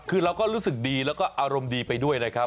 คือเราก็รู้สึกดีแล้วก็อารมณ์ดีไปด้วยนะครับ